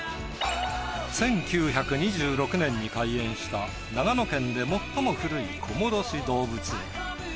１９２６年に開園した長野県で最も古い小諸市動物園。